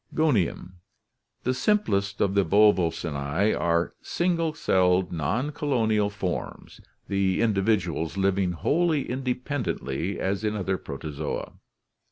Gonium.— The simplest of the Volvocinte are single celled, non colonial forms, the individuals living wholly independently as in other Protozoa.